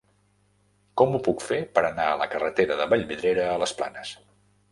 Com ho puc fer per anar a la carretera de Vallvidrera a les Planes?